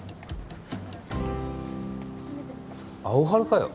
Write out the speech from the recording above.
アオハルかよ